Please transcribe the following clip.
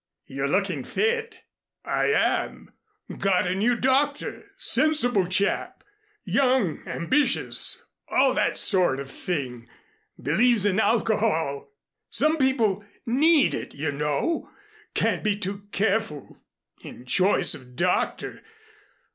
"You're looking fit." "I am. Got a new doctor sensible chap, young, ambitious, all that sort of thing. Believes in alcohol. Some people need it, you know. Can't be too careful in choice of doctor.